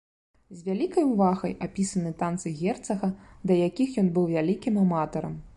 З вялікай увагай апісаны танцы герцага, да якіх ён быў вялікім аматарам.